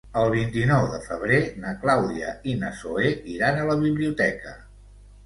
El vint-i-nou de febrer na Clàudia i na Zoè iran a la biblioteca.